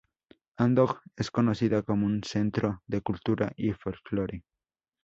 Andong es conocida como un centro de cultura y Folklore.